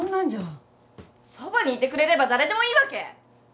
そばにいてくれれば誰でもいいわけ？